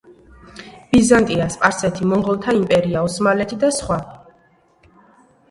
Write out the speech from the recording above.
ბიზანტია, სპარსეთი, მონღოლთა იმპერია, ოსმალეთი და სხვა